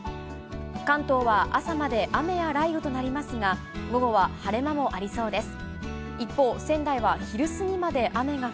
関東は朝まで雨や雷雨となりますが、午後は晴れ間もありそうです。